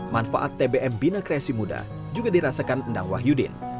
manfaat tbm bina kresimuda juga dirasakan ndang wahyudin